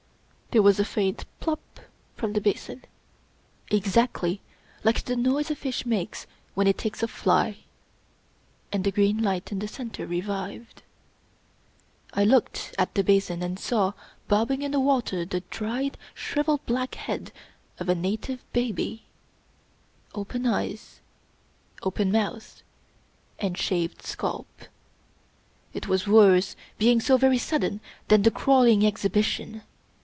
There was a faint " plop " from the basin— exactly like the noise a fish makes when it takes a fly — ^and the green light in the center re vived. I looked at the basin, and saw, bobbing in the water the dried, shriveled, black head of a native baby — open eyes, open mouth and shaved scalp. It was worse, being so very sudden, than the crawUng exhibition.